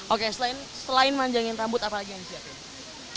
oke selain manjangin rambut apa lagi yang disiapkan